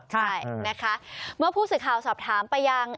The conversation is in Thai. ใช่นะคะเมื่อผู้สื่อข่าวสอบถามไปยัง